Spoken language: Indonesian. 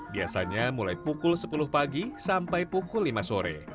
biasanya mulai pukul sepuluh pagi sampai pukul lima sore